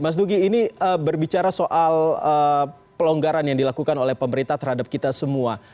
mas nugi ini berbicara soal pelonggaran yang dilakukan oleh pemerintah terhadap kita semua